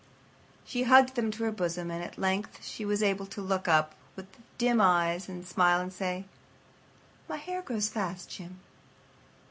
But she hugged them to her bosom, and at length she was able to look up with dim eyes and a smile and say: "My hair grows so fast, Jim!"